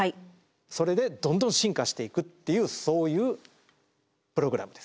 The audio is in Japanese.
それでどんどん進化していくっていうそういうプログラムです。